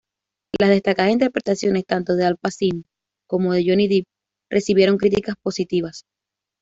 Las destacadas interpretaciones tanto de Al Pacino, como de Johnny Depp recibieron críticas positivas.